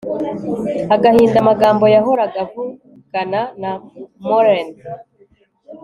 agahinda, amagambo yahoraga avugana na maureen